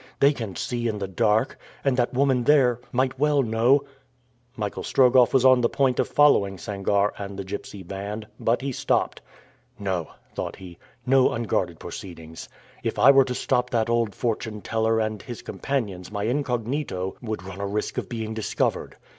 They can see in the dark; and that woman there might well know " Michael Strogoff was on the point of following Sangarre and the gypsy band, but he stopped. "No," thought he, "no unguarded proceedings. If I were to stop that old fortune teller and his companions my incognito would run a risk of being discovered.